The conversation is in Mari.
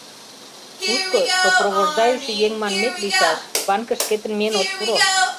Тушко сопровождающий еҥ манмет лийшаш, банкыш шкетын миен от пуро.